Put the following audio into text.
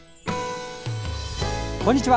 こんにちは。